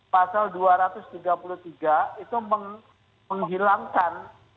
pasal dua ratus tiga puluh tiga itu menghilangkan